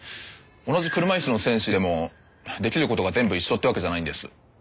同じ車いすの選手でもできることが全部一緒ってわけじゃないんです。